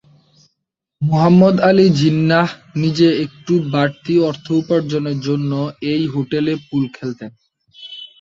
মুহাম্মদ আলী জিন্নাহ নিজের একটু বাড়তি অর্থ উপার্জনের জন্য এই হোটেলে পুল খেলতেন।